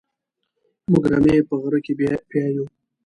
موږ رمې په غره کې پيايو.